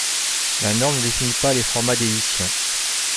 La norme ne définit pas les formats d'éditions.